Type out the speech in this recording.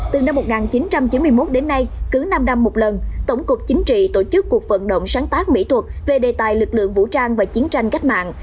từ năm một nghìn chín trăm chín mươi một đến nay cứ năm năm một lần tổng cục chính trị tổ chức cuộc vận động sáng tác mỹ thuật về đề tài lực lượng vũ trang và chiến tranh cách mạng